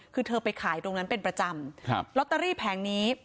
คือเธอไปขายตรงนั้นเป็นประจำครับลอตเตอรี่แผงนี้